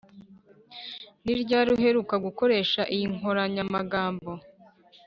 ni ryari uheruka gukoresha iyi nkoranyamagambo?